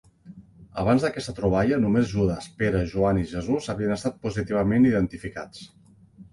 Abans d'aquesta troballa, només Judes, Pere, Joan i Jesús havien estat positivament identificats.